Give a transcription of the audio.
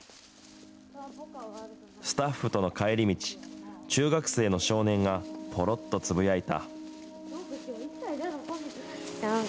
スタッフとの帰り道、中学生の少年が、ぽろっとつぶやいた。